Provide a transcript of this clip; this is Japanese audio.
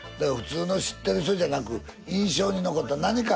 普通の知ってる人じゃなく印象に残った。